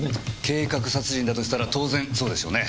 計画殺人だとしたら当然そうでしょうね。